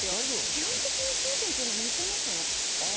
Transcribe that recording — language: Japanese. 基本的に成分というのは似ていますね。